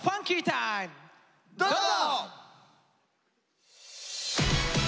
どうぞ！